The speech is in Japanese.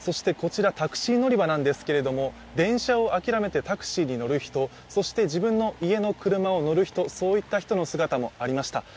タクシー乗り場なんですけれども、電車を諦めてタクシーに乗る人そして、自分の家の車に乗る人そういった人の姿もありました。